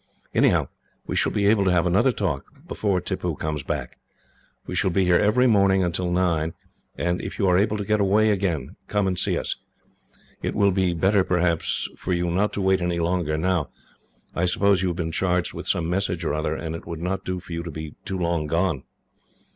Anyhow, we shall be able to have another talk before Tippoo comes back. We shall be here every morning until nine, and if you are able to get away again, come and see us. "It will be better, perhaps, for you not to wait any longer, now. I suppose you have been charged with some message or other, and it would not do for you to be too long gone."